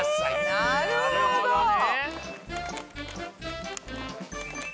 なるほどね。